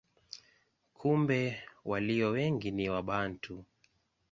Kumbe walio wengi ni Wabantu.